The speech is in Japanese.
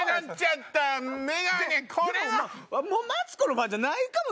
マツコのファンじゃないかも。